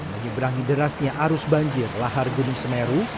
menyeberangi derasnya arus banjir lahar gunung semeru